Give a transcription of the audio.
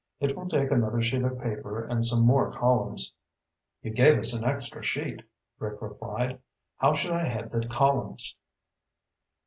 It will take another sheet of paper and some more columns." "You gave us an extra sheet," Rick replied. "How should I head the columns?"